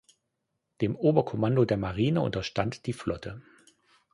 Dem Oberkommando der Marine unterstand die Flotte.